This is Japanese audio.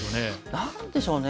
何でしょうね。